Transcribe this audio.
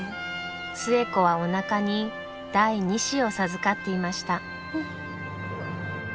寿恵子はおなかに第２子を授かっていました。